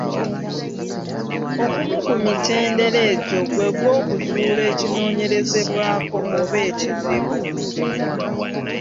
Ogumu ku mitendera egyo gw’egwokuzuula ekinoonyerezebwako oba ekizibu.